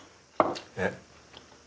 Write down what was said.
えっ？